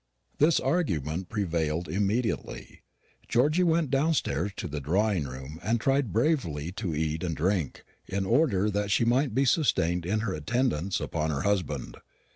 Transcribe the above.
This argument prevailed immediately. Georgy went downstairs to the drawing room, and tried bravely to eat and drink, in order that she might be sustained in her attendance upon her husband.